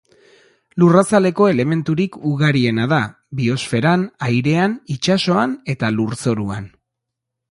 Lurrazaleko elementurik ugariena da, biosferan, airean, itsasoan eta lurzoruan.